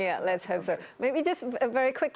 anda hanya bisa menjadi lebih kuat